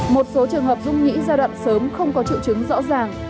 một số trường hợp dung nhĩ giai đoạn sớm không có triệu chứng rõ ràng